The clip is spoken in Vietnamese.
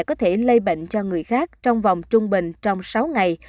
có thể lây bệnh cho người khác trong vòng trung bình trong sáu ngày